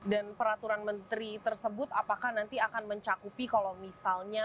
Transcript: dan peraturan menteri tersebut apakah nanti akan mencakupi kalau misalnya